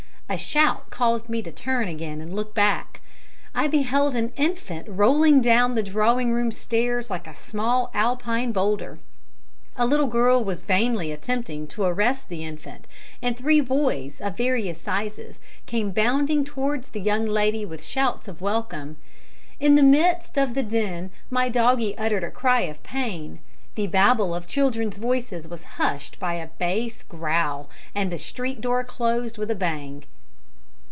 A shout caused me to turn again and look back. I beheld an infant rolling down the drawing room stairs like a small Alpine boulder. A little girl was vainly attempting to arrest the infant, and three boys, of various sizes, came bounding towards the young lady with shouts of welcome. In the midst of the din my doggie uttered a cry of pain, the Babel of children's voices was hushed by a bass growl, and the street door closed with a bang!